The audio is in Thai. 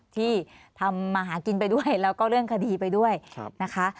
ที่ทำมาหากินไปด้วยแล้วก็เรื่องคดีไปด้วยนะคะ